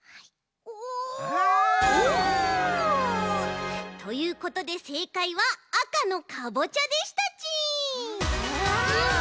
お！ということでせいかいは赤のかぼちゃでしたち！